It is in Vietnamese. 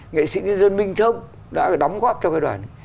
nghệ sĩ nhân dân minh thông đã đóng góp cho cái đoàn